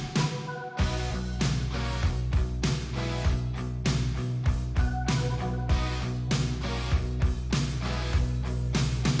โปรดติดตามตอนต่อไป